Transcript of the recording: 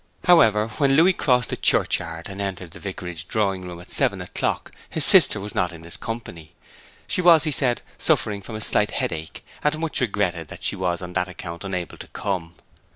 However, when Louis crossed the churchyard and entered the vicarage drawing room at seven o'clock, his sister was not in his company. She was, he said, suffering from a slight headache, and much regretted that she was on that account unable to come.